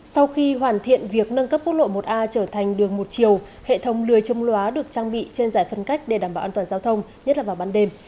sau khi hoàn thiện việc nâng cấp quốc lộ một a trở thành đường một chiều hệ thống lừa trông loa được trang bị trên giải phân cách để đảm bảo an toàn giao thông nhất là vào ban đêm